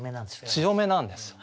強めなんですよ。